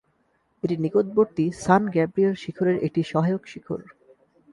এটি নিকটবর্তী San Gabriel শিখরের একটি সহায়ক শিখর।